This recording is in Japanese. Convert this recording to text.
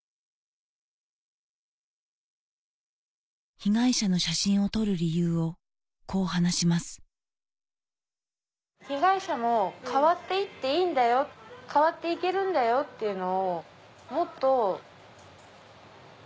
被害者の写真を撮る理由をこう話します被害者も変わって行っていいんだよ変わって行けるんだよっていうのをもっと。